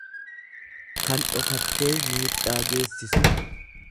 kan dhokattee miidhaa geessistu.